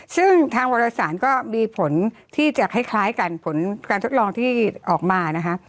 ซึ่งทางวรสารก็มีผลที่จะคล้ายกันผลการทดลองที่ออกมานะคะ